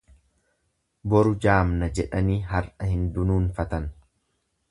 Boru jaamna jedhanii har'a hin dunuunfatan.